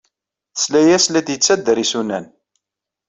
Tesla-as la d-yettader isunan.